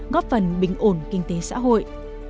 góp phần bình ổn kinh tế xã hội